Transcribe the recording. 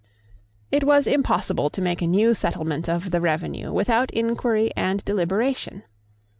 It was impossible to make a new settlement of the revenue without inquiry and deliberation.